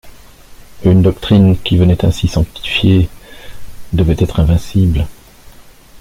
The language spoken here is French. Une doctrine qui venait ainsi sanctifiée devait être invincible.